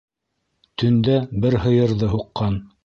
Төндә бер һыйырҙы һуҡҡан.